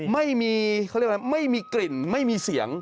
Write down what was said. ไม่มีกลิ่นไม่มีเสียง